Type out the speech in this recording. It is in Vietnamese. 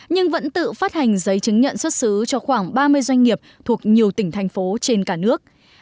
nhưng vẫn tự phát hành giấy chứng nhận xuất xứ cho khoảng ba mươi doanh nghiệp thuộc nhiều tỉnh thành phố trên cả nước